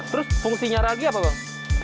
terus fungsinya ragi apa bang